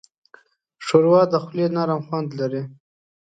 ښوروا د خولې نرم خوند لري.